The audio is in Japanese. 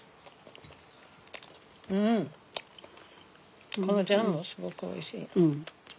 うんこのジャムもすごくおいしい。